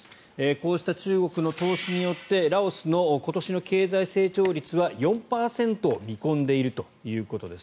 こうした中国の投資によってラオスの今年の経済成長率は４％を見込んでいるということです。